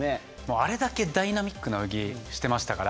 あれだけダイナミックな泳ぎをしていましたから。